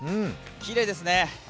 きれいですね。